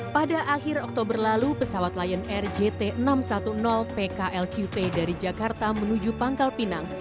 pada akhir oktober lalu pesawat lion air jt enam ratus sepuluh pklqp dari jakarta menuju pangkal pinang